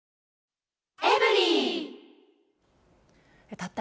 たった